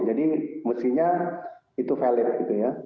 jadi mesinnya itu valid gitu ya